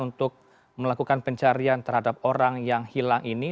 untuk melakukan pencarian terhadap orang yang hilang ini